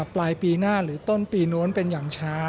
ปลายปีหน้าหรือต้นปีโน้นเป็นอย่างช้า